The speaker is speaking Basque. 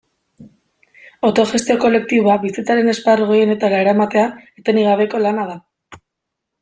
Autogestio kolektiboa bizitzaren esparru gehienetara eramatea etenik gabeko lana da.